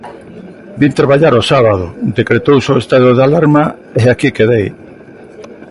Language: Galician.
Vin traballar o sábado, decretouse o estado de alarma e aquí quedei.